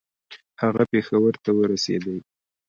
هغه پېښور ته ورسېدی.